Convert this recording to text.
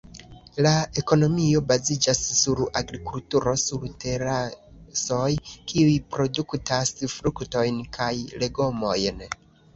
La ekonomio baziĝas sur agrikulturo sur terasoj kiuj produktas fruktojn kaj legomojn.